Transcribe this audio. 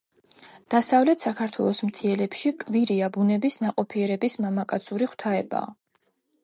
დასავლეთ საქართველოს მთიელებში კვირია ბუნების ნაყოფიერების მამაკაცური ღვთაებაა.